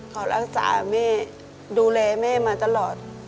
เขารักษาแม่ดูแลแม่มาตลอด